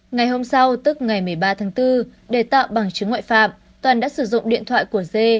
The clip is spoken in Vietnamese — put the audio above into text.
ngày hôm sau tức ngày một mươi ba tháng bốn để tạo bằng chứng ngoại phạm toàn đã sử dụng điện thoại của dê